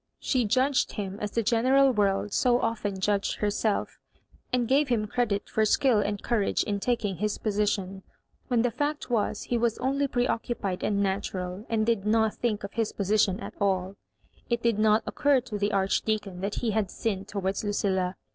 She judged him as the general world so often judged herself and gave him cre dit for skill and courage in taking his position, when the fact was he was only preoccupied and natural, and did not think of his position at alL It did not occur to the Archdeacon that he had sinned towards Lucilla.